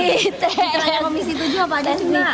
mitranya komisi tujuh apa aja sih mbak